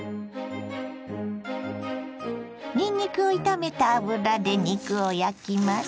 にんにくを炒めた油で肉を焼きます。